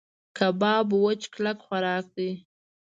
کباب وچ کلک خوراک دی.